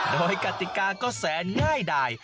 โดยกติกาก็แสนง่ายดาย